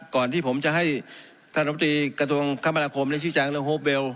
ก่อนที่ผมจะให้ท่านบุตรีกระทรวงคำบรรคมในชี้แจ้งเรื่อง